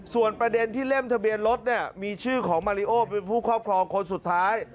ส่วนประเด็นที่เล่มทะเบียนรถเนี่ยมีชื่อของมาริโอเป็นผู้ครอบครองคนสุดท้าย